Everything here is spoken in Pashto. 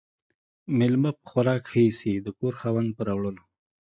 ميلمه په خوراک ِښه ايسي ، د کور خاوند ، په راوړلو.